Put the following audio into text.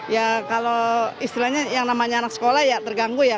ya kalau istilahnya yang namanya anak sekolah ya terganggu ya